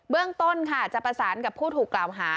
เรื่องต้นค่ะจะประสานกับผู้ถูกกล่าวหา